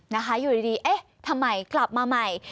นะคะอยู่ดีเอ๊ะทำไมกลับมาใหม่